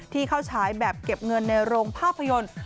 ที่เข้าฉายแบบเก็บเงินในโรงภาพยนตร์